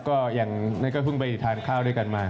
ก็อย่างนั้นก็เพิ่งไปทานข้าวด้วยกันมา